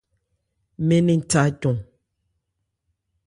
Mɛn nɛn tha cɔ.